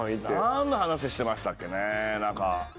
何の話してましたっけね？